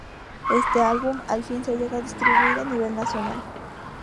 Este álbum al fin se llega a distribuir a nivel nacional.